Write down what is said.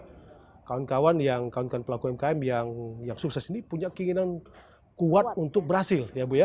karena kawan kawan yang melakukan pelaku umkm yang sukses ini punya keinginan kuat untuk berhasil ya bu ya